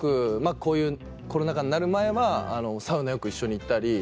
こういうコロナ禍になる前はサウナよく一緒に行ったり。